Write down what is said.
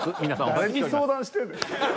誰に相談してんねん。